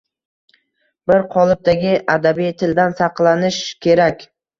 Bir qolipdagi adabiy tildan saqlanish kerak.